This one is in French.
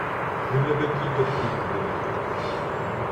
Une petite brume de matin.